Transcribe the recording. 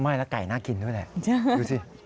ไม่แล้วไก่น่ากินด้วยแหละดูสิ